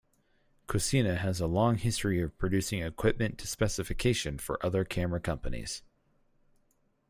Cosina has a long history of producing equipment to specification for other camera companies.